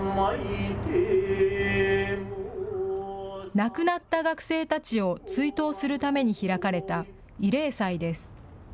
亡くなった学生たちを追悼するために開かれた慰霊祭です。